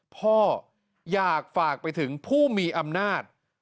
พ่ออยากฝากไปถึงผู้มีอำนาจ